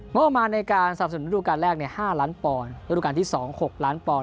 งบมาในการสำสนุนรูปการแรกเนี่ยห้าร้านปอนรูปการที่สองหกล้านปอน